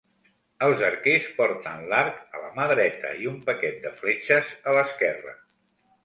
Els arquers porten l'arc a la mà dreta i un paquet de fletxes a l'esquerra.